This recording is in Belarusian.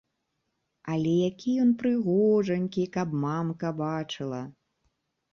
Але які ён прыгожанькі, каб мамка бачыла!